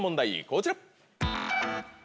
こちら。